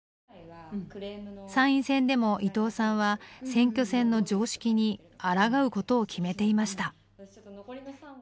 参院選でも伊藤さんは選挙戦の常識にあらがうことを決めていました。